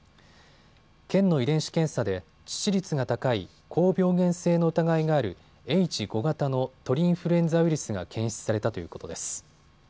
県の遺伝子検査で致死率が高い高病原性の疑いがあるＨ５型の鳥インフルエンザウイルスが検出されたということです。